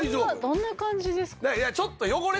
どんな感じですか？